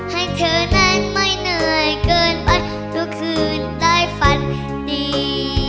ให้เธอนั้นไม่เหนื่อยเกินไปทุกคืนใต้ฝันดี